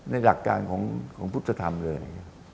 หลักการของพุทธธรรมเลย